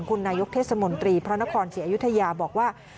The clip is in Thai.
คุณนายกเทศมนตรีพระนครศรีอยุธยาบอกว่า